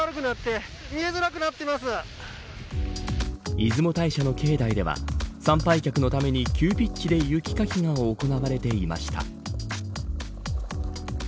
出雲大社の境内では参拝客のために急ピッチで雪かきが行われていました。